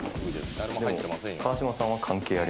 川島さん関係ある？